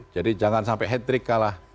jadi jangan sampai hedrick kalah